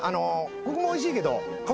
ここもおいしいけど。